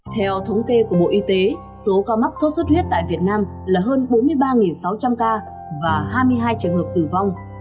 theo thống kê của bộ y tế số ca mắc sốt xuất huyết tại việt nam là hơn bốn mươi ba sáu trăm linh ca và hai mươi hai trường hợp tử vong